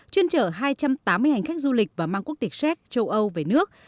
chuyên trở hai trăm tám mươi hành khách du lịch và mang quốc tịch xéc châu âu về nước